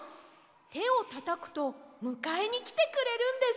てをたたくとむかえにきてくれるんです。